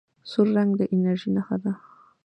سور رنګ د انرژۍ نښه ده.